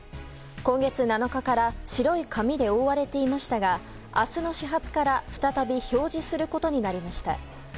今月７日から白い紙で覆われていましたが明日の始発から再び表示することになりました。